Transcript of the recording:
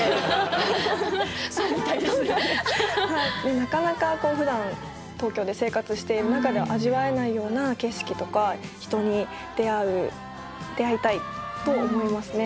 なかなかふだん東京で生活している中では味わえないような景色とか人に出会う出会いたいと思いますね。